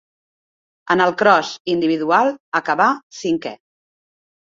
En el cros individual acabà cinquè.